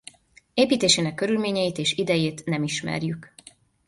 Építésének körülményeit és idejét nem ismerjük.